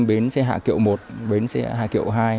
bến xe hạ kiệu một bến xe hai kiệu hai